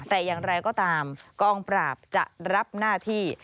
แต่อย่างไรก็ตามกองปราบจะรับหน้าที่